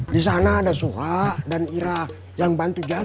disana ada soha dan ira yang bantu jaga